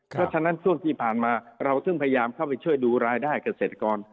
เพราะฉะนั้นช่วงที่ผ่านมาเราซึ่งพยายามเข้าไปช่วยดูรายได้เกษตรกร